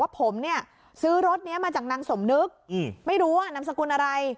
ผมเนี่ยซื้อรถนี้มาจากนางสมนึกไม่รู้ว่านามสกุลอะไร